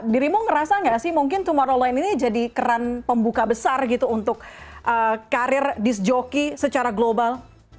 dirimu ngerasa gak sih mungkin tumorroline ini jadi keran pembuka besar gitu untuk karir disc joki secara global